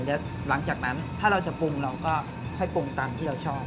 แล้วหลังจากนั้นถ้าเราจะปรุงเราก็ค่อยปรุงตามที่เราชอบ